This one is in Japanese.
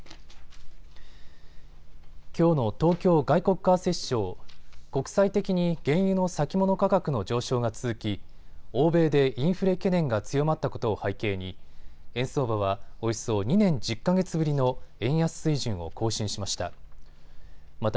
きょうの東京外国為替市場、国際的に原油の先物価格の上昇が続き欧米でインフレ懸念が強まったことを背景に円相場はおよそ２年１０か月ぶりの円安水準を更新しました。